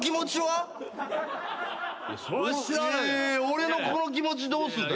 俺のこの気持ちどうすんだよ。